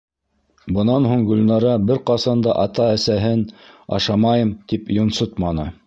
Бынан һуң Гөлнара бер ҡасан да ата-әсәһен, ашамайым, тип йонсотманы.